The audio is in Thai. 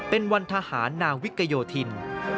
เป็นวันทหารนาวิกโยธิน